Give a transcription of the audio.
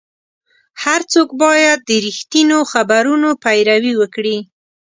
هر څوک باید د رښتینو خبرونو پیروي وکړي.